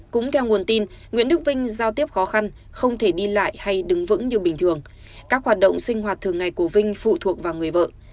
cũng theo nguồn tin nguyễn đức vinh giao tiếp khó khăn không thể đi lại hay đứng vững như bình thường các hoạt động sinh hoạt thường ngày của vinh phụ thuộc vào người vợ